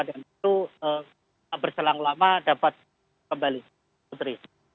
dan itu berselang lama dapat kembali putri